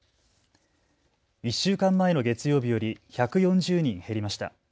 １週間前の月曜日より１４０人減りました。